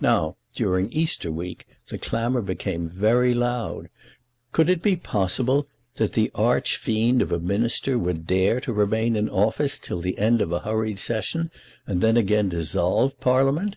Now, during Easter week, the clamour became very loud. Could it be possible that the archfiend of a Minister would dare to remain in office till the end of a hurried Session, and then again dissolve Parliament?